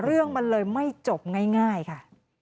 เรื่องมันเลยไม่จบง่ายค่ะ